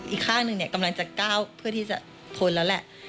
อีกข้างหนึ่งกำลังจะก้าวเพื่อที่จะทนแล้วแหละ